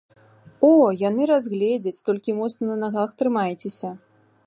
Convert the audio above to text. О, яны разгледзяць, толькі моцна на нагах трымайцеся.